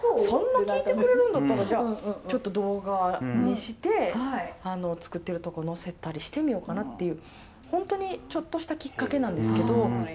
そんな聞いてくれるんだったらじゃあちょっと動画にして作ってるとこ載せたりしてみようかなっていう本当にちょっとしたきっかけなんですけど。